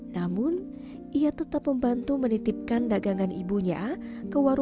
namun ia tetap membantu menitipkan dagangan ibunya ke warung